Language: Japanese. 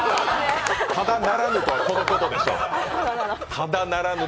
ただならぬとは、このことでしょう。